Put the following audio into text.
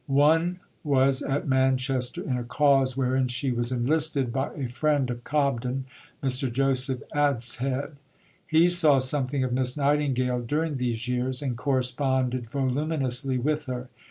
One was at Manchester in a cause wherein she was enlisted by a friend of Cobden, Mr. Joseph Adshead. He saw something of Miss Nightingale during these years, and corresponded voluminously with her.